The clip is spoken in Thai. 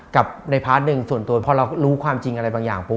กับในพาร์ทหนึ่งส่วนตัวพอเรารู้ความจริงอะไรบางอย่างปุ๊